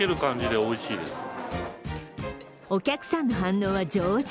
お客さんの反応は上々。